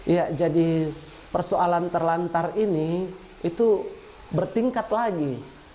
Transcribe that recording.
ya jadi persoalan terlantar ini itu bertingkat lagi